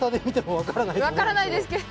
わからないですけど。